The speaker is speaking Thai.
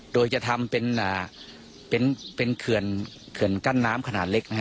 โดยจะทำเป็นเขื่อนกั้นน้ำขนาดเล็ก